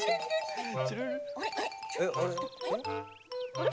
あれ？